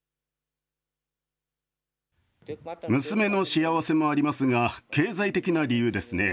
娘の幸せもありますが、経済的な理由ですね。